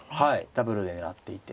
ダブルで狙っていて。